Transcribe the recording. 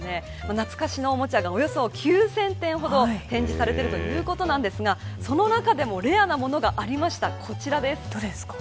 懐かしのおもちゃがおよそ９０００点ほど展示されているということなんですがその中でもレアなものがありました、こちらです。